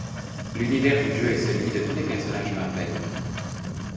L'univers du jeu est celui de tous les personnages Marvel.